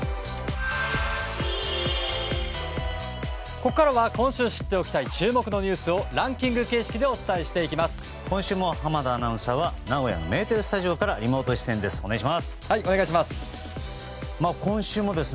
ここからは今週知っておきたい注目のニュースをランキング形式でお伝えしていきます。